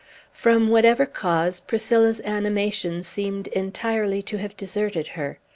From whatever cause, Priscilla's animation seemed entirely to have deserted her.